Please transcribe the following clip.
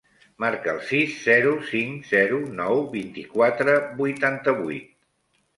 Marca el sis, zero, cinc, zero, nou, vint-i-quatre, vuitanta-vuit.